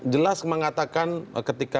jelas mengatakan ketika